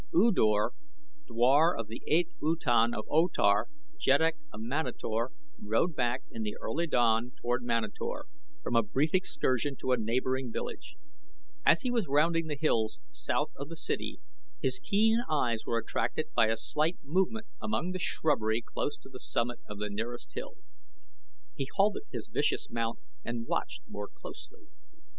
U Dor, dwar of the 8th Utan of O Tar, Jeddak of Manator, rode back in the early dawn toward Manator from a brief excursion to a neighboring village. As he was rounding the hills south of the city, his keen eyes were attracted by a slight movement among the shrubbery close to the summit of the nearest hill. He halted his vicious mount and watched more closely.